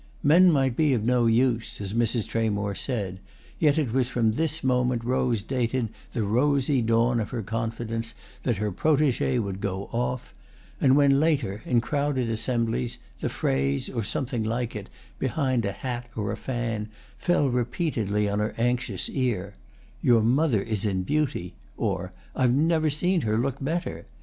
Men might be of no use, as Mrs. Tramore said, yet it was from this moment Rose dated the rosy dawn of her confidence that her protégée would go off; and when later, in crowded assemblies, the phrase, or something like it behind a hat or a fan, fell repeatedly on her anxious ear, "Your mother is in beauty!" or "I've never seen her look better!"